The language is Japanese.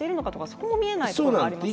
そこも見えないところがありますね。